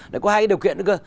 nó có hai cái điều kiện nữa cơ